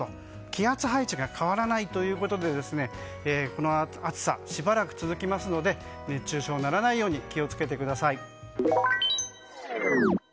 気圧配置が変わらないということでこの暑さ、しばらく続きますので熱中症にならないように気を付けてください。